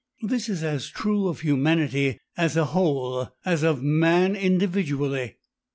This is as true of humanity as a whole as of man individually.